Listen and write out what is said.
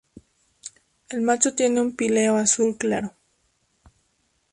El macho tiene un píleo azul claro.